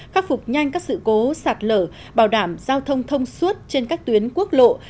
khắc phục nhanh các sự cố sạt lở bảo đảm giao thông thông suốt trên các tuyến quốc lộ